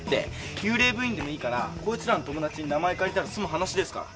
幽霊部員でもいいからこいつらの友達に名前借りたら済む話ですから。